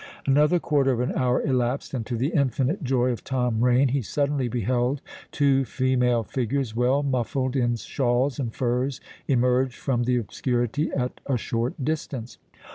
Another quarter of an hour elapsed; and, to the infinite joy of Tom Rain, he suddenly beheld two female figures, well muffled in shawls and furs, emerge from the obscurity at a short distance.